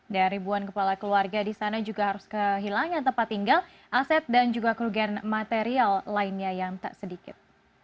dari buan kepala keluarga di sana juga harus kehilangan tempat tinggal aset dan juga kerugian material lainnya yang tak sedikit